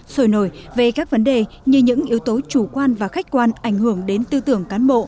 sôi nổi về các vấn đề như những yếu tố chủ quan và khách quan ảnh hưởng đến tư tưởng cán bộ